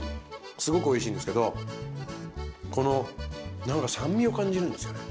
すごくおいしいんですけどこの何か酸味を感じるんですよね。